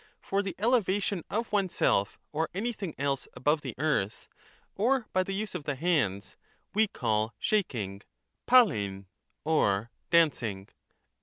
For the elevation of oneself or anything else above the earth, or by the use of the hands, we 407 call shaking { dXXeiv), or dancing.